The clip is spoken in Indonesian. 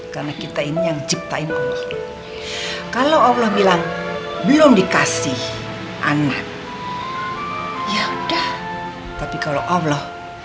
karena kita ini yang ciptain kalau allah bilang belum dikasih anak ya udah tapi kalau allah